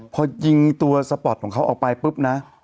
พอยิงตัวสปอร์ตของเขาออกไปปุ๊บนะ